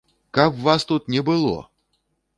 Каб вас тут не было!